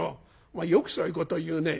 お前よくそういうことを言うね。